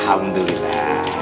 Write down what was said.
ya ya ya mister silakan